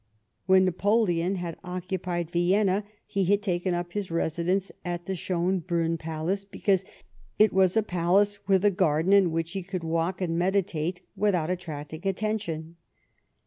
\Mien Kapoleon had occu])ied \"ienna he had taken up his residence at the Schonbriinn palace, because it was a palace with a garden, in which he could walk and meditate without attracting attention.